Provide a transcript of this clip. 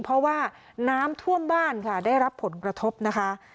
เพราะว่าน้ำท่วมบ้านค่ะได้รับผลกระทบนะคะ